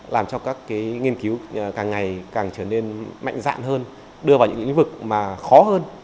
làm cho các nghiên cứu càng ngày càng trở nên mạnh dạn hơn đưa vào những lĩnh vực mà khó hơn